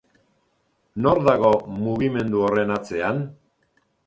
Nor dago mugimendu horren atzean?